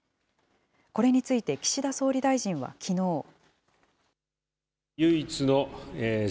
これについて、岸田総理大臣はきのう。